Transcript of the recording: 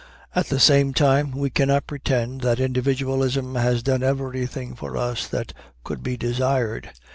At the same time we cannot pretend that individualism has done everything for us that could be desired.